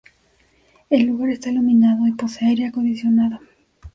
El lugar está iluminado y posee aire acondicionado.